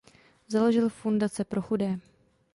Založil fundace pro chudé.